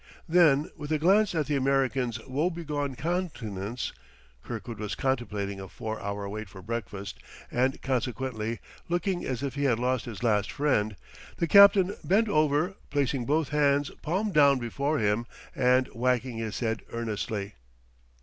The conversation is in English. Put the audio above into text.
Then, with a glance at the American's woebegone countenance (Kirkwood was contemplating a four hour wait for breakfast, and, consequently, looking as if he had lost his last friend), the captain bent over, placing both hands palm down before him and wagging his head earnestly.